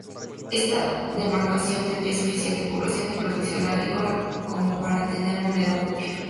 Esta demarcación, tendría suficiente población y producción agrícola como para tener moneda propia.